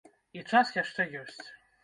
І час яшчэ ёсць.